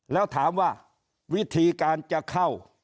แล้วถามว่าวิธีการจะเข้า